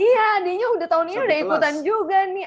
iya adiknya udah tahun ini udah ikutan juga nih